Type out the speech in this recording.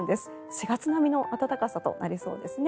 ４月並みの暖かさとなりそうですね。